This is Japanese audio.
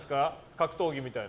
格闘技みたいな。